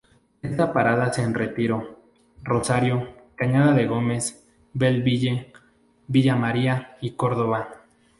Presta paradas en Retiro, Rosario, Cañada de Gómez, Bell Ville, Villa María y Córdoba.